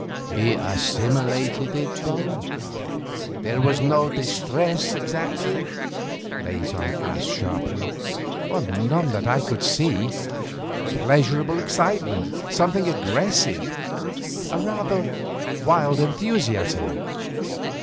'He assimilated it though? There was no distress exactly?' Leysin asked sharply. 'None that I could see. Pleasurable excitement, something aggressive, a rather wild enthusiasm.